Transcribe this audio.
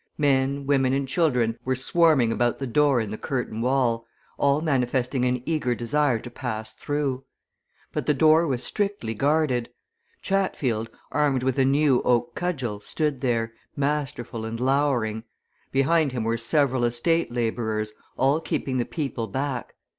Men, women and children were swarming about the door in the curtain wall, all manifesting an eager desire to pass through. But the door was strictly guarded. Chatfield, armed with a new oak cudgel stood there, masterful and lowering; behind him were several estate labourers, all keeping the people back.